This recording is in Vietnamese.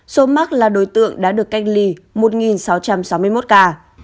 số mắc là đối tượng đã được cách ly một sáu trăm sáu mươi một ca